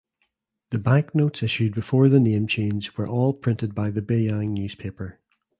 The banknotes issued before the name change were all printed by the Beiyang Newspaper.